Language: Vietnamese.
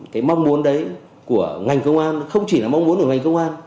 cái mong muốn đấy của ngành công an không chỉ là mong muốn của ngành công an